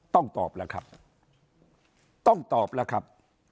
ต้องตอบแล้วครับต้องตอบแล้วครับ